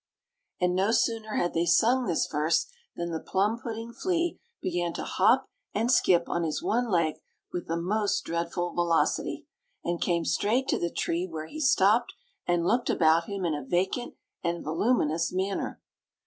And no sooner had they sung this verse than the plum pudding flea began to hop and skip on his one leg with the most dreadful velocity, and came straight to the tree, where he stopped, and looked about him in a vacant and voluminous manner.